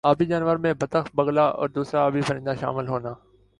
آبی جانور میں بطخ بگلا اور دُوسْرا آبی پرندہ شامل ہونا